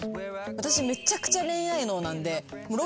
私めちゃくちゃ恋愛脳なんで。